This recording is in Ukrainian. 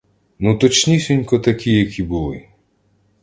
Ну точнісінько такі, як і були!